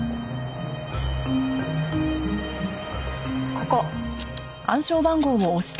ここ。